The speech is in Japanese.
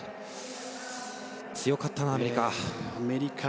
強かったな、アメリカ。